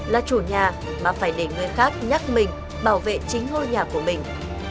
là chủ nhà mà phải để người khác nhắc mình bảo vệ chính ngôi nhà của mình